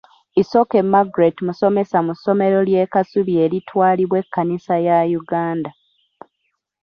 Isoke Margret musomesa mu ssomero ly'e Kasubi eritwalibwa ekkanisa ya Uganda.